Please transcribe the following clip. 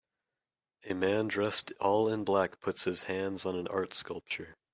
A man dressed all in black puts his hands on an art sculpture.